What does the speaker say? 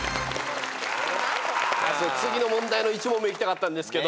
次の問題の１問目いきたかったんですけど。